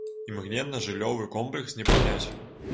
Імгненна жыллёвы комплекс не падняць.